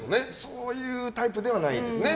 そういうタイプではないですね。